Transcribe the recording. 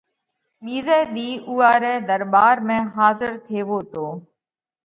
ٻِيزئہ ۮِي اُوئا رئہ ۮرٻار ۾ حاضر ٿيوو تو۔